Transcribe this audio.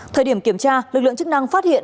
thời điểm kiểm tra lực lượng chức năng phát hiện